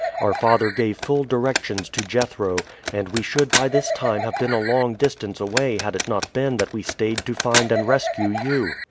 Our father gave full directions to Jethro, and we should by this time have been a long distance away had it not been that we stayed to find and rescue you."